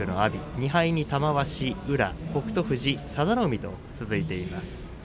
２敗に玉鷲宇良、北勝富士、佐田の海が続いています。